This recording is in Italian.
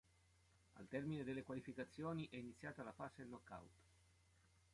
Al termine delle qualificazioni è iniziata la fase knockout.